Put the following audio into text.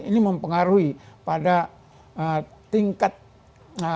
ini mempengaruhi pada tingkat